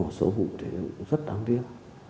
một số vụ thì rất đáng tiếc